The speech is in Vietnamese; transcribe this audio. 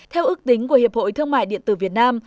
theo ước tính của hiệp hội thương mại điện tử việt nam